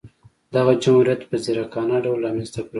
دغه جمهوریت په ځیرکانه ډول رامنځته کړل.